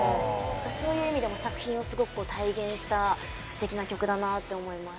そういう意味でも作品をすごく体現した素敵な曲だなって思います。